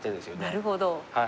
なるほど。